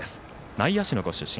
内野手のご出身。